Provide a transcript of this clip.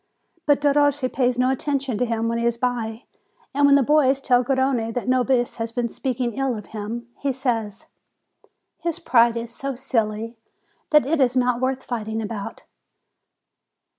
But Derossi pays no attention to him when he is by; and when the boys tell Garrone that Nobis had been speaking ill of him, he says : "His pride is so silly that it is not worth fighting about."